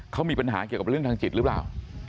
เขามีปัญหาเกี่ยวกับเรื่องทางจิตหรือเปล่า